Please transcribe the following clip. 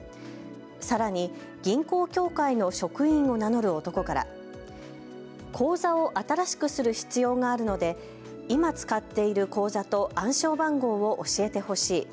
さらに銀行協会の職員を名乗る男から口座を新しくする必要があるので今、使っている口座と暗証番号を教えてほしい。